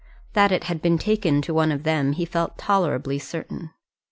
That it had been taken to one of them he felt tolerably certain.